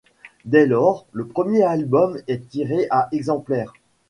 Dès lors, le premier album est tiré à exemplaires.